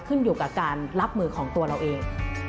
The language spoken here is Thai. ขึ้นอยู่กับการรับมือของตัวเราเอง